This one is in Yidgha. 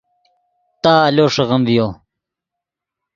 تا آلو ݰیغیم ڤیو